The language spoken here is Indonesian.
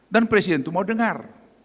dan presiden itu mau dengar